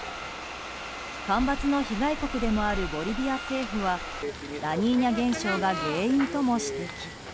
干ばつの被害国でもあるボリビア政府はラニーニャ現象が原因とも指摘。